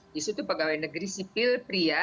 di situ pegawai negeri sipil pria